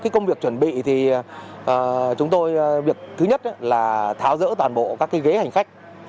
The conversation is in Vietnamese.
công việc chuẩn bị thì chúng tôi việc thứ nhất là tháo rỡ toàn bộ các ghế hành khách